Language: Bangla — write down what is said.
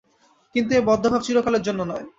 কিন্তু এ বদ্ধভাব চিরকালের জন্য নয়।